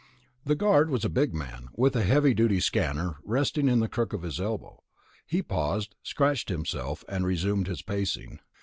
The guard was a big man, with a heavy duty stunner resting in the crook of his elbow. He paused, scratched himself, and resumed his pacing.